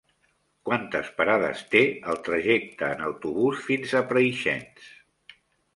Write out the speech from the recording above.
Quantes parades té el trajecte en autobús fins a Preixens?